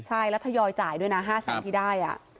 ใช่แล้วทยอยจ่ายด้วยนะ๕แสนที่ได้